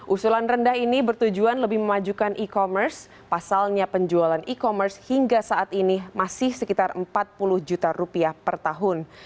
usulan rendah ini bertujuan lebih memajukan e commerce pasalnya penjualan e commerce hingga saat ini masih sekitar empat puluh juta rupiah per tahun